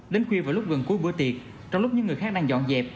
đến khuya vào lúc gần cuối bữa tiệc trong lúc những người khác đang dọn dẹp